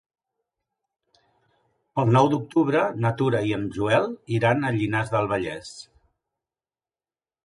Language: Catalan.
El nou d'octubre na Tura i en Joel iran a Llinars del Vallès.